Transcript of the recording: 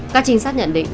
các trinh sát nhận định